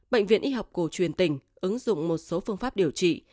bệnh viện y học cổ truyền tỉnh ứng dụng một số phương pháp điều trị